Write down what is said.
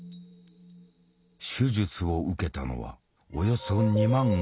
手術を受けたのはおよそ２万５，０００人。